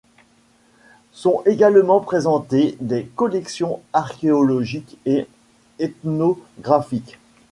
Sont également présentées des collections archéologiques et ethnographiques.